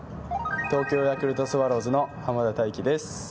東京ヤクルトスワローズの濱田太貴です。